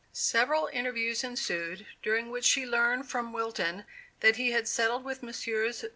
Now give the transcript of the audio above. Several interviews ensued, during which she learned from Wilton that he had settled with Messrs.